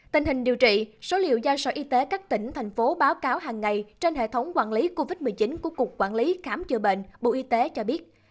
tình hình điều trị số liệu do sở y tế các tỉnh thành phố báo cáo hàng ngày trên hệ thống quản lý covid một mươi chín của cục quản lý khám chữa bệnh bộ y tế cho biết